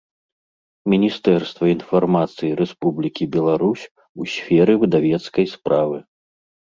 Мiнiстэрства iнфармацыi Рэспублiкi Беларусь у сферы выдавецкай справы.